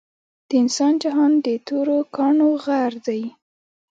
د انسان جهان د تورو کانړو غر دے